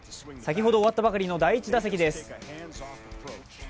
先ほど終わったばかりの第１打席です。